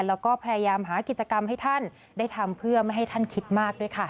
แล้วก็พยายามหากิจกรรมให้ท่านได้ทำเพื่อไม่ให้ท่านคิดมากด้วยค่ะ